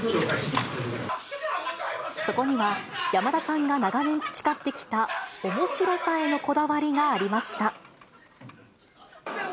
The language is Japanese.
そこには、山田さんが長年培ってきたおもしろさへのこだわりがありました。